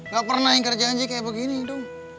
gak pernah yang kerja janji kayak begini dong